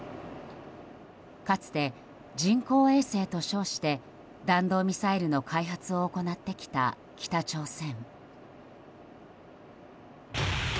かつて人工衛星と称して弾道ミサイルの開発を行ってきた北朝鮮。